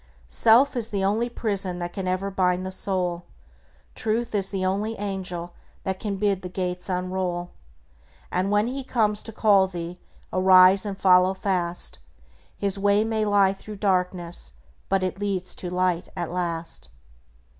"Self is the only prison that can ever bind the soul; Truth is the only angel that can bid the gates unroll; And when he comes to call thee, arise and follow fast; His way may lie through darkness, but it leads to light at last."